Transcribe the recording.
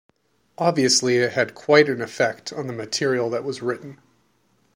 Obviously, it had quite an effect on the material that was written...